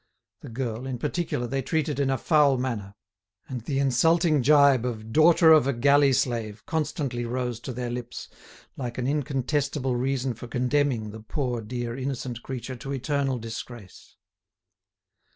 The girl, in particular, they treated in a foul manner; and the insulting gibe of "daughter of a galley slave" constantly rose to their lips like an incontestable reason for condemning the poor, dear innocent creature to eternal disgrace.